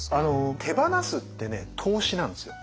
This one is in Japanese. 手放すってね投資なんですよ。